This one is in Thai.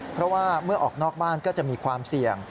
เพราะว่าเมื่อออกนอกบ้านก็จะมีความเสี่ยง